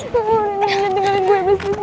jangan nyalain gue